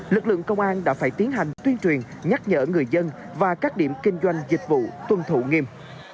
lực lượng công an đã phải tiến hành tuyên truyền nhắc nhở người dân và các điểm kinh doanh dịch vụ tuân thủ nghiêm